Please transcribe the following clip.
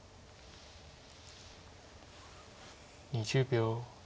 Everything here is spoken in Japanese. ２０秒。